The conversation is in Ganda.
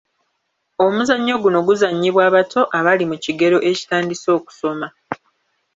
Omuzannyo guno guzannyibwa abato abali mu kigero ekitandise okusoma.